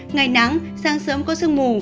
ngày nắng sáng sớm có sương mù